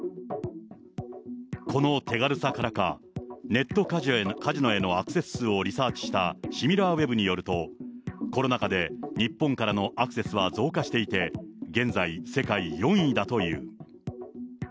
この手軽さからか、ネットカジノへのアクセス数をリサーチしたシミュラーウェブによると、コロナ禍で日本からのアクセスは増加していて、現在、世界４位だという。